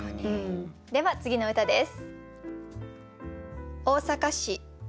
では次の歌です。